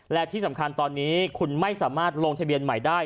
และที่สำคัญตอนนี้คุณไม่สามารถลงทะเบียนใหม่ได้